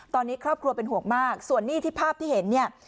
ตอนนี้ครอบครัวเป็นห่วงมากส่วนหนี้ที่ภาพที่เห็นเนี่ย